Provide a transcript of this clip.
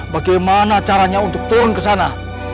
bagaimana caranya untuk turun ke sana